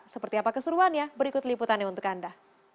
seperti apa keseruannya berikut liputannya untuk anda